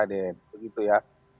nah ini yang kemudian sektor pendidikan